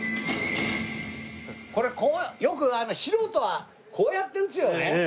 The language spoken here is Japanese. よく素人はこうやって撃つよね。